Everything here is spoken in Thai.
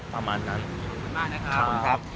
ขอบคุณมากนะครับ